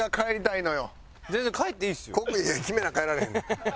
決めな帰られへんねん。